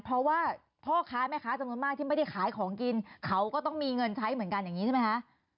เพราะว่าพ่อค้าแม่ค้าจำนวนมากที่ไม่ได้ขายของกินเขาก็ต้องมีเงินใช้เหมือนกันอย่างนี้ใช่ไหมคะ